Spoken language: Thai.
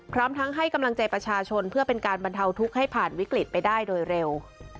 พร้อมทั้งให้กำลังใจประชาชนเพื่อเป็นการบรรเทาทุกข์ให้ผ่านวิกฤตไปได้โดยเร็ว